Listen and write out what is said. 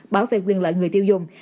bảo vệ quyền lợi người tiêu dùng